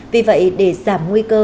vì vậy để giảm nguy cơ